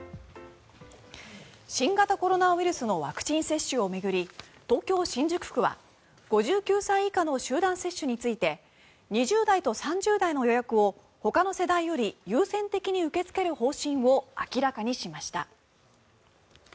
新型コロナウイルスのワクチン接種を巡り東京・新宿区は５９歳以下の集団接種について２０代と３０代の予約をほかの世代より優先的に受け付ける方針を明らかにしました。